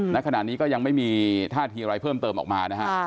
ณขณะนี้ก็ยังไม่มีท่าทีอะไรเพิ่มเติมออกมานะฮะ